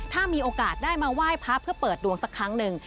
ถ้ามีโอกาสได้มาไหว้พระเพื่อเปิดดวงสักครั้งหนึ่ง